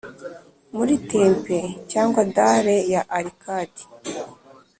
muri tempe cyangwa dales ya arcady?